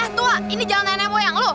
eh tua ini jalan nmw yang lu